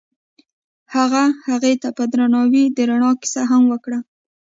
هغه هغې ته په درناوي د رڼا کیسه هم وکړه.